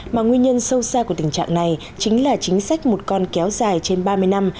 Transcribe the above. mà nguyên nhân sâu xa của tình trạng này chính là chính sách một con kéo dài trên ba mươi năm